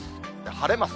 晴れます。